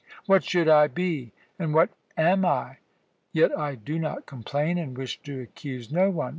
What should I be, and what am I? Yet I do not complain, and wish to accuse no one.